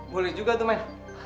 boleh juga tuh men